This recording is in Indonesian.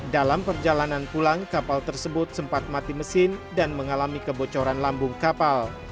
dalam perjalanan pulang kapal tersebut sempat mati mesin dan mengalami kebocoran lambung kapal